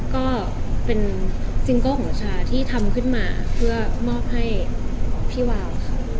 ก็เป็นซิงโกะที่ทำมาขึ้นมาเพื่อที่สุดให้พี่วาว